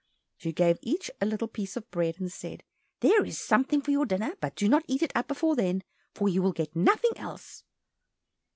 She gave each a little piece of bread, and said, "There is something for your dinner, but do not eat it up before then, for you will get nothing else."